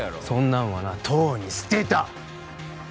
そんなんはなとうに捨てた！